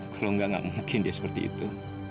kalau nggak mungkin dia seperti itu